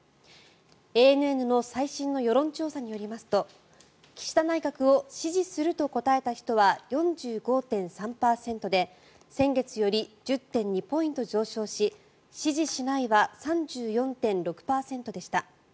ＡＮＮの最新の世論調査によりますと岸田内閣を支持すると答えた人は４５．３％で先月より１０．２ポイント上昇し支持しないは３４．６％でした。